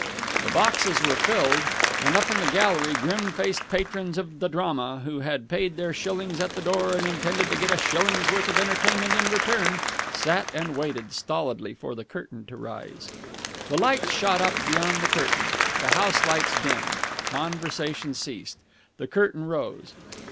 The boxes were filled, and up in the gallery grim faced patrons of the drama, who had paid their shillings at the door and intended to get a shilling's worth of entertainment in return, sat and waited stolidly for the curtain to rise. The lights shot up beyond the curtain. The house lights dimmed. Conversation ceased. The curtain rose.